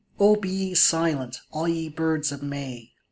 O be ye silent, all ye birds of May